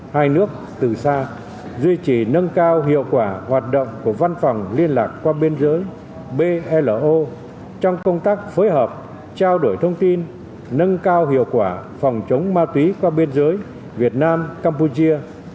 hai nước từ xa duy trì nâng cao hiệu quả hoạt động của văn phòng liên lạc qua biên giới bloo trong công tác phối hợp trao đổi thông tin nâng cao hiệu quả phòng chống ma túy qua biên giới việt nam campuchia